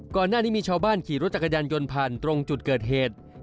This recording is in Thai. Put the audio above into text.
ก่อนหน้านี้มีชาวบ้านขี่รถจักรยานยนต์ผ่านตรงจุดเกิดเหตุ